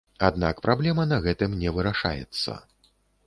Аднак праблема на гэтым не вырашаецца.